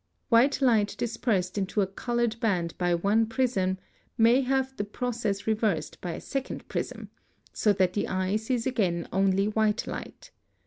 White light dispersed into a colored band by one prism, may have the process reversed by a second prism, so that the eye sees again only white light.